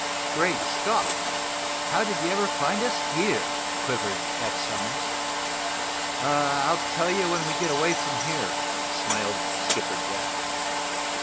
"Great Scott! How did you ever find us here?" quivered Eph Somers. "I'll tell you when we get away from here," smiled Skipper Jack.